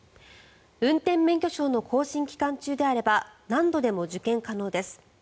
運転免許証の更新期間中であれば何度でも受検可能です。